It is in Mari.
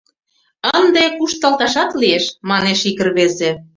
— Ынде кушталташат лиеш, — манеш ик рвезе.